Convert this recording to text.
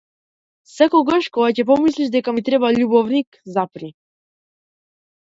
Секогаш кога ќе помислиш дека ми треба љубовник, запри.